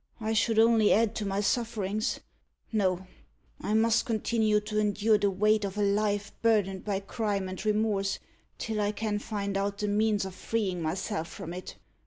I should only add to my sufferings. No; I must continue to endure the weight of a life burdened by crime and remorse, till I can find out the means of freeing myself from it.